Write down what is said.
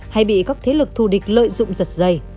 hay bị các thế lực thù địch lợi dụng giật dây